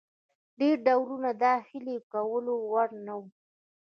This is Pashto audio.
ډېر ډولونه د اهلي کولو وړ نه وو.